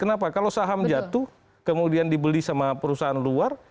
kenapa kalau saham jatuh kemudian dibeli sama perusahaan luar